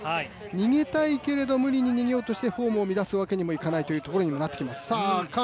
逃げたいけれども、無理に逃げようとしてフォームを乱すわけにはいかないというところにもなってきます。